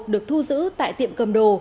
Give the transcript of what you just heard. được thu giữ tại tiệm cầm đồ